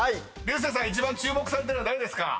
一番注目されてるのは誰ですか？］